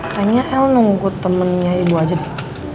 tanya el nunggu temennya ibu aja deh